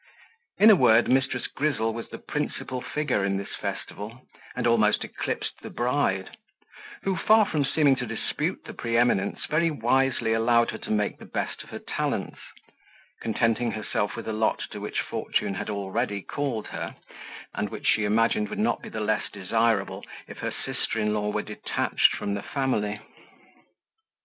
In a word, Mrs. Grizzle was the principal figure in this festival, and almost eclipsed the bride; who, far from seeming to dispute the pre eminence, very wisely allowed her to make the best of her talents; contenting herself with the lot to which fortune had already called her and which she imagined would not be the less desirable if her sister in law were detached from the family.